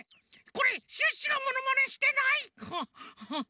これシュッシュがモノマネしてない！？